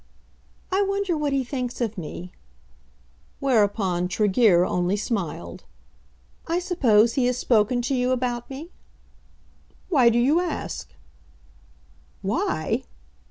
"I wonder what he thinks of me." Whereupon Tregear only smiled. "I suppose he has spoken to you about me?" "Why do you ask?" "Why!"